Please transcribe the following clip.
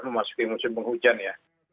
memasuki musim penghujan ya